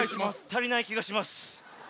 たりないきがします。